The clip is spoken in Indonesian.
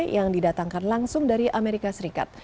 yang didatangkan langsung dari amerika serikat